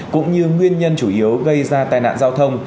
cũng như nguyên nhân chủ yếu gây ra tai nạn giao thông